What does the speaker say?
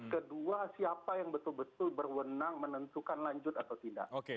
kedua siapa yang betul betul berwenang menentukan lanjut atau tidak